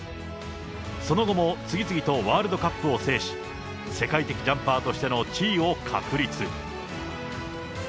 その後も次々とワールドカップを制し、世界的ジャンパーとしての地位を確立。